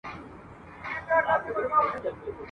چي پېزوان به یې په خره پسي کشیږي !.